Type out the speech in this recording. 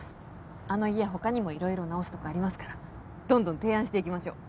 あの家他にもいろいろ直すとこありますからどんどん提案していきましょう。